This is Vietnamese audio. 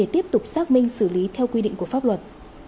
theo quy định của pháp luật